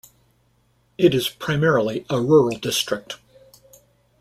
It is primarily a rural district.